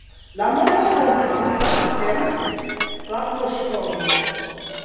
La monto konsistas el sabloŝtono.